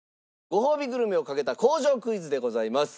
ごほうびグルメをかけた工場クイズでございます。